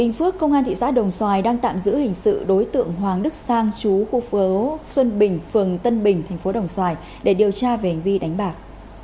bình phước công an thị xã đồng xoài đang tạm giữ hình sự đối tượng hoàng đức sang chú khu phố xuân bình phường tân bình thành phố đồng xoài để điều tra về hành vi đánh bạc